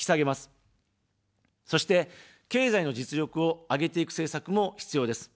そして、経済の実力を上げていく政策も必要です。